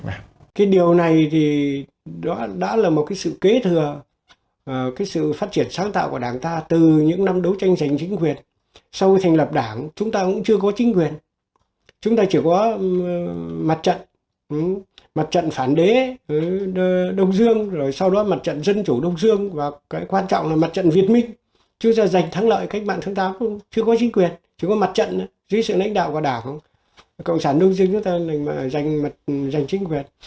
cái điều này thì đã là một cái sự kế thừa cái sự phát triển sáng tạo của đảng ta từ những năm đấu tranh giành chính quyền sau thành lập đảng chúng ta cũng chưa có chính quyền chúng ta chỉ có mặt trận mặt trận phản đế đông dương rồi sau đó mặt trận dân chủ đông dương và cái quan trọng là mặt trận việt minh chúng ta giành thắng lợi cách mạng thương tác chưa có chính quyền chưa có mặt trận dưới sự lãnh đạo của đảng cộng sản đông dương chúng ta giành chính quyền